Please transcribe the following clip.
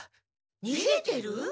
にげてる？